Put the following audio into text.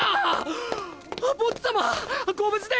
あっボッジ様ご無事で。